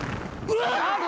うわ。